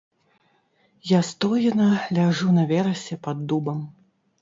Я стоена ляжу на верасе пад дубам.